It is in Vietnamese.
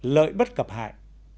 lợi bất cập hại